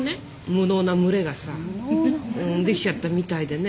無能な群れがさ出来ちゃったみたいでね。